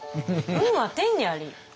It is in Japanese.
「運は天にあり」。